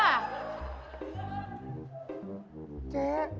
สากะเมื้อ